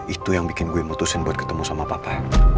itu yang bikin gue memutuskan buat ketemu sama papa